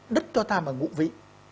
đất cho ta bằng ngũ vị